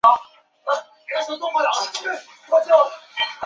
粉花软骨边越桔为杜鹃花科越桔属下的一个变种。